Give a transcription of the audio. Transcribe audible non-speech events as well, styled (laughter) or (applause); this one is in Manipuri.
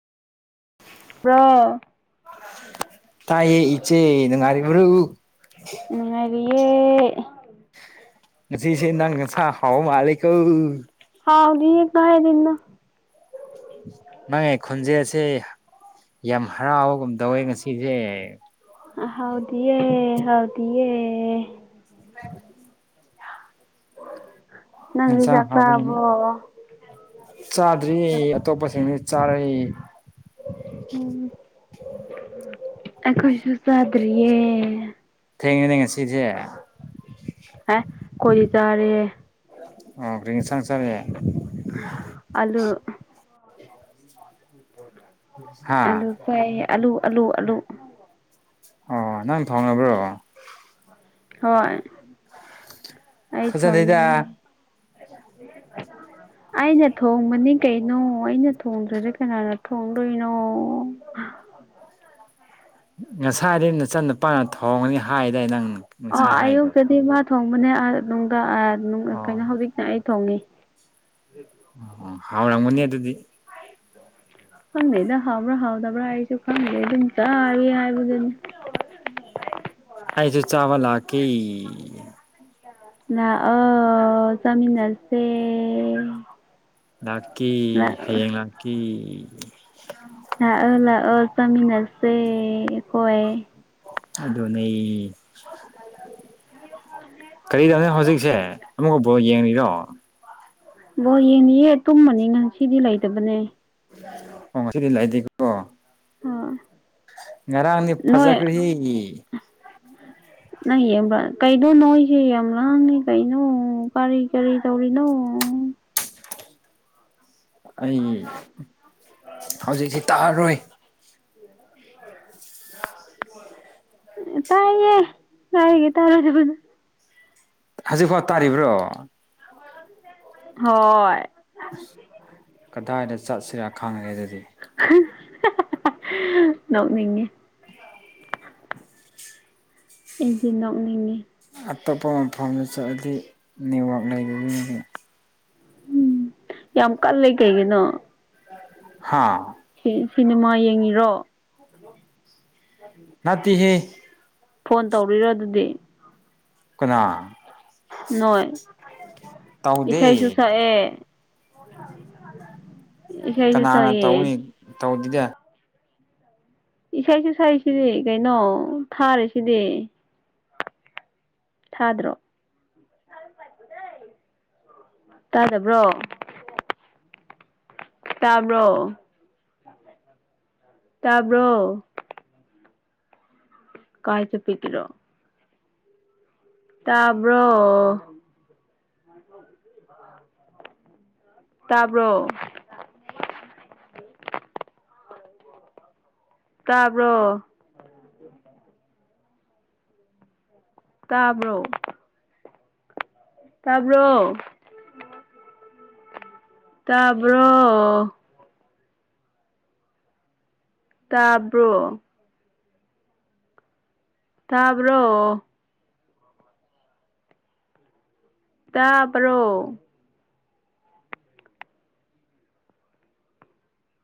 ꯕ꯭ꯔꯣ ꯇꯥꯏꯌꯦ ꯏꯆꯦ ꯅꯨꯉꯥꯢꯔꯤꯕ꯭ꯔꯣ ꯅꯨꯉꯥꯢꯔꯤꯌꯦ ꯉꯁꯤꯁꯦ ꯅꯪ ꯅꯁꯥ ꯍꯥꯎꯕ ꯃꯥꯜꯂꯤ ꯀꯣ ꯍꯥꯎꯗꯤꯌꯦ ꯀꯥꯢꯗꯩꯅꯣ ꯅꯪꯒꯤ ꯈꯣꯟꯖꯦꯜꯁꯦ ꯌꯥꯝ ꯍꯔꯥꯎꯕꯒꯨꯝ ꯇꯧꯋꯦ ꯉꯁꯤꯖꯦ ꯍꯥꯎꯗꯤꯑꯦ ꯍꯥꯎꯗꯤꯑꯦ (inaudible) ꯅꯪꯗꯤ ꯌꯦꯟꯁꯥꯡ ꯆꯥꯛ ꯆꯥꯔꯕꯣ ꯍꯥꯎꯕꯒꯨꯝ ꯆꯥꯗ꯭ꯔꯤ ꯑꯇꯣꯞꯄꯁꯤꯡꯗꯤ ꯆꯥꯔꯦ ꯎꯝ ꯑꯩꯈꯣꯏꯁꯨ ꯆꯥꯗ꯭ꯔꯤꯌꯦ ꯊꯦꯡꯉꯦꯅꯦ ꯉꯁꯤꯗꯤ ꯑꯦ ꯈꯣꯏꯗꯤ ꯆꯥꯔꯦ ꯑꯣ ꯀ꯭ꯔꯤ ꯏꯟꯁꯥꯡ ꯆꯥꯒꯦ ꯑꯗꯨ ꯍꯥ ꯑꯂꯨ ꯆꯥꯏ ꯑꯂꯨ ꯑꯂꯨ ꯑꯂꯨ ꯑꯣ ꯅꯪ ꯊꯣꯡꯔꯕ꯭ꯔꯣ ꯍꯣꯏ ꯑꯩ ꯐꯖꯗꯦꯗ ꯊꯣꯡꯉꯦ (inaudible) (inaudible) ꯑꯩꯅ ꯊꯣꯡꯕꯅꯤ ꯀꯩꯅꯣ ꯑꯩꯅ ꯊꯣꯡꯗ꯭ꯔꯗꯤ ꯀꯅꯥꯅ ꯊꯣꯡꯗꯣꯏꯅꯣ (inaudible) ꯉꯁꯥꯏꯗꯤ ꯅꯆꯟ ꯅꯨꯄꯥꯥꯅ ꯊꯣꯡꯒꯅꯤ ꯍꯥꯏꯗꯥꯏ ꯅꯪ ꯑꯣ ꯉꯁꯥꯏ ꯍꯥꯏꯗꯣ ꯑꯌꯨꯛꯇꯗꯤ ꯃꯥ ꯊꯣꯡꯕꯅꯦ ꯑ ꯅꯨꯡꯗꯥꯡ ꯑ ꯑꯣ ꯀꯩꯅꯣ ꯍꯧꯖꯤꯛꯅ ꯑꯩ ꯊꯣꯡꯉꯤ ꯑꯣ ꯍꯥꯎꯔꯝꯒꯅꯤ ꯑꯗꯨꯗꯤ ꯈꯪꯗꯦꯗ ꯍꯥꯎꯕ꯭ꯔꯥ ꯍꯥꯎꯗꯕ꯭ꯔꯥ ꯑꯩꯁꯨ ꯈꯪꯗꯦ ꯑꯗꯨꯝ ꯆꯥꯔꯤ ꯍꯥꯏꯕꯗꯨꯅꯤ ꯑꯩꯁꯨ ꯆꯥꯕ ꯂꯥꯛꯀꯦ ꯂꯥꯛꯑꯣ ꯆꯥꯃꯤꯟꯅꯁꯦ ꯂꯥꯛꯀꯦ ꯂꯥꯛꯑꯣ ꯍꯌꯦꯡ ꯂꯥꯛꯀꯦ ꯂꯥꯛꯑꯣ ꯂꯥꯛꯑꯣ ꯆꯥꯃꯤꯟꯅꯁꯦ ꯑꯈꯣꯏ ꯑꯗꯨꯅꯦ ꯀꯔꯤꯗꯧꯔꯦ ꯍꯧꯖꯤꯛꯁꯦ ꯑꯃꯨꯛꯀ ꯕꯣꯜ ꯌꯦꯡꯉꯤꯔꯣ ꯕꯣꯜ ꯌꯦꯡꯉꯤꯌꯦ ꯇꯨꯝꯃꯅꯤ ꯉꯁꯤꯗꯤ ꯂꯩꯇꯕꯅꯦ ꯑꯣ ꯉꯁꯤꯗꯤ ꯂꯩꯥꯇꯦꯀꯣ ꯍꯣꯢ ꯉꯔꯥꯡꯅꯦ ꯐꯖꯈ꯭ꯔꯦꯍꯦ ꯅꯪ ꯌꯦꯡꯕ ꯀꯩꯅꯣ ꯅꯣꯢꯁꯦ ꯌꯥꯝ ꯂꯥꯡꯉꯦ ꯀꯩꯅꯣ ꯀꯔꯤ ꯀꯔꯤ ꯇꯧꯔꯤꯅꯣ ꯑꯩ ꯍꯧꯖꯤꯛꯁꯤ ꯇꯥꯛꯑꯔꯣꯏ (inaudible) (unintelligible) ꯇꯥꯏꯌꯦ ꯇꯥꯌꯦ (unintelligible) ꯍꯥꯖꯤꯛꯐꯥꯎ ꯇꯥꯔꯤꯕ꯭ꯔꯣ ꯍꯣꯏ ꯑꯁ ꯀꯗꯥꯏꯗ ꯆꯠꯁꯤꯔꯥ ꯈꯪꯉꯦ ꯑꯗꯨꯗꯤ (unintelligible) ꯅꯣꯛꯅꯤꯡꯉꯦ (unintelligible) ꯑꯩꯗꯤ ꯅꯣꯛꯅꯤꯡꯉꯦ ꯑꯇꯣꯞꯄ ꯃꯐꯝꯗ ꯆꯠꯂꯗꯤ ꯅꯦꯠꯋꯥꯛ ꯂꯩꯕꯒꯤꯅꯤ ꯍꯨꯝ ꯌꯥꯝ ꯀꯜꯂꯦ ꯀꯩꯒꯤꯅꯣ ꯍꯥꯥ ꯁꯤ ꯁꯤꯅꯦꯃꯥ ꯌꯦꯡꯉꯤꯔꯣ (unintelligible) ꯅꯠꯇꯤꯍꯦ ꯐꯣꯟ ꯇꯧꯔꯤꯔ ꯑꯗꯨꯗꯤ ꯀꯅꯥ ꯅꯣꯏ ꯇꯧꯗꯦ ꯏꯁꯩꯁꯨ ꯁꯛꯑꯦ ꯏꯁꯩꯁꯨ ꯁꯛꯑꯦ ꯇꯧꯗꯤꯗ ꯏꯁꯩꯁꯨ ꯁꯛꯏꯁꯤꯗꯤ ꯀꯩꯅꯣ ꯊꯥꯔꯤꯁꯤꯗꯤ ꯊꯥꯗ꯭ꯔꯣ ꯇꯥꯗꯕ꯭ꯔꯣ ꯇꯥꯕ꯭ꯔꯣ ꯇꯥꯕ꯭ꯔꯣ ꯀꯥꯏ ꯆꯠꯄꯤꯒꯤꯔꯣ ꯇꯥꯕ꯭ꯔꯣ ꯇꯥꯕ꯭ꯔꯣ ꯇꯥꯕ꯭ꯔꯣ (unintelligible) ꯇꯥꯕ꯭ꯔꯣ ꯇꯥꯕ꯭ꯔꯣ ꯇꯥꯕ꯭ꯔꯣ ꯇꯥꯕ꯭ꯔꯣ ꯇꯥꯕ꯭ꯔꯣ ꯇꯥꯕ꯭ꯔꯣ